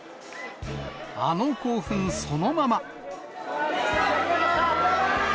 あの興奮そのまま。